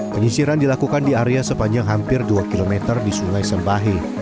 penyisiran dilakukan di area sepanjang hampir dua km di sungai sembahe